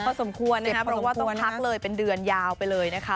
พอสมควรนะครับเพราะว่าต้องพักเลยเป็นเดือนยาวไปเลยนะคะ